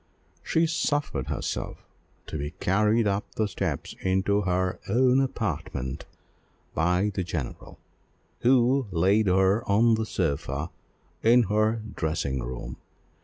She suffered herself to be carried up the steps into her own apartment by the general, who laid her on the sofa in her dressing room.